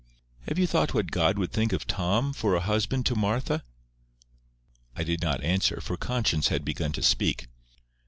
Have you thought what God would think of Tom for a husband to Martha?" I did not answer, for conscience had begun to speak.